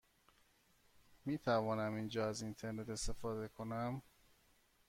می توانم اینجا از اینترنت استفاده کنم؟